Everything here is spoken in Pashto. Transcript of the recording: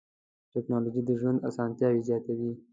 ټکنالوجي د ژوند اسانتیا زیاتوي.